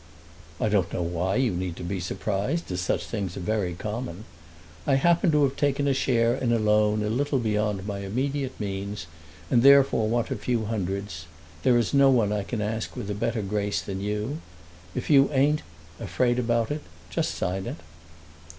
"I don't know why you need be surprised, as such things are very common. I happen to have taken a share in a loan a little beyond my immediate means, and therefore want a few hundreds. There is no one I can ask with a better grace than you. If you ain't afraid about it, just sign it."